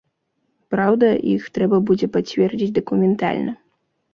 Праўда, іх трэба будзе пацвердзіць дакументальна.